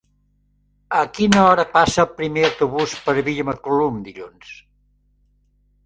A quina hora passa el primer autobús per Vilamacolum dilluns?